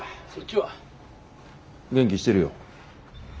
元気してるよ。